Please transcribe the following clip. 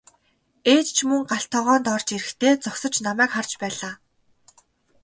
Ээж ч мөн гал тогоонд орж ирэхдээ зогсож намайг харж байлаа.